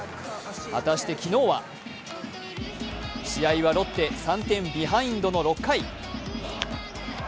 果たして昨日は試合はロッテ３点ビハインドの６回。